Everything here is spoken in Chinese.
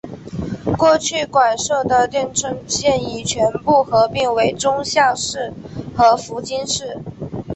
过去管辖的町村现已全部合并为宗像市和福津市。